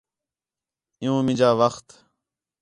عِیّوں مینجا وخت